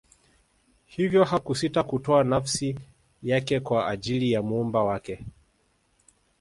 hivyo hakusita kutoa nafsi yake kwa ajili ya muumba wake